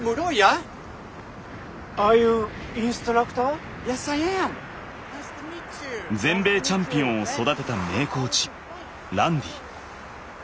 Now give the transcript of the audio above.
Ｙｅｓ，Ｉａｍ．全米チャンピオンを育てた名コーチランディ。